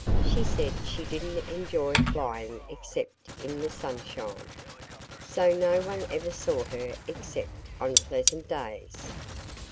She said she didn't enjoy flying except in the sunshine. So no one ever saw her except on pleasant days.